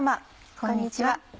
こんにちは。